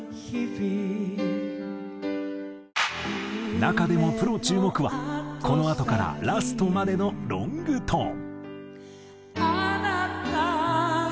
中でもプロ注目はこのあとからラストまでのロングトーン。